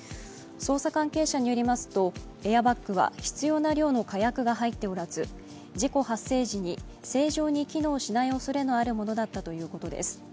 捜査関係者によりますとエアバッグは必要な量の火薬が入っておらず事故発生時に正常に機能しないおそれのあるものだったということです。